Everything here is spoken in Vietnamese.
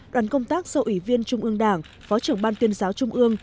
đoàn công tác do ủy viên trung ương đảng phó trưởng ban tuyên giáo trung ương